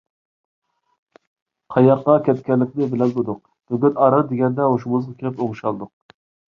قاياققا كەتكەنلىكىنى بىلەلمىدۇق. بۈگۈن ئاران دېگەندە ھوشىمىزغا كېلىپ ئوڭشالدۇق.